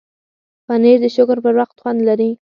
پنېر د شکر پر وخت خوند لري.